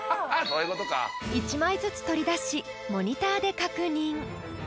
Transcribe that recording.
［１枚ずつ取り出しモニターで確認］